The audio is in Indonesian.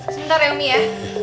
sebentar ya umi ya